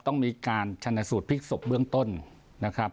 ต้องมีการชนสูตรพลิกศพเบื้องต้นนะครับ